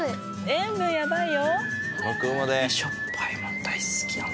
塩分やばいよ。